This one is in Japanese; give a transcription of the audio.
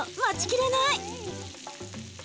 待ちきれない！